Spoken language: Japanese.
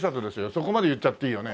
そこまで言っちゃっていいよね？